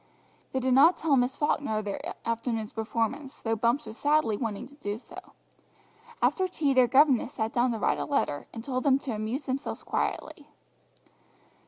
They did not tell Miss Falkner of their afternoon's performance, though Bumps was sadly wanting to do so. After tea their governess sat down to write a letter, and told them to amuse themselves quietly.